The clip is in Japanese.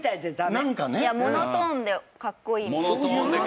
モノトーンでかっこいい。